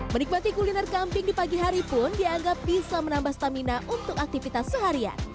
menikmati kuliner kambing di pagi hari pun dianggap bisa menambah stamina untuk aktivitas seharian